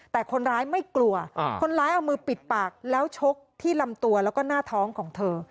แต่คนร้ายไม่กลัวคนร้ายเอามือปิดปากแล้วชกที่ลำตัวแล้วก็หน้าท้องของเธอ